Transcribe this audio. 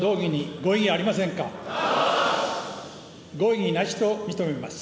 ご異議なしと認めます。